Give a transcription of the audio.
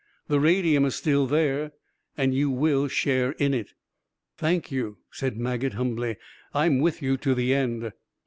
The radium is still there, and you will share in it." "Thank you," said Maget humbly. "I'm with you to the end."